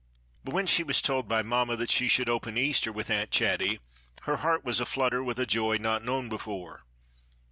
But when she was told by Mamma that she should open Easter with Aunt Chatty her heart was a flutter with a joy not known before.